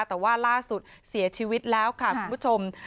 แต่ว่าล่าสุดเสียชีวิตแล้วค่ะคุณผู้ชม